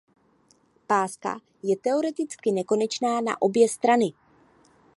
Páska je teoreticky nekonečná na obě strany.